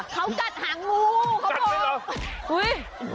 เขากัดหางงูครับผม